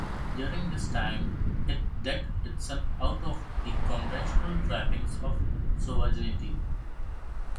During this time it decked itself out with the conventional trappings of sovereignty.